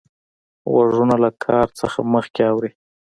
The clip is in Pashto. غوږونه له کار نه مخکې اوري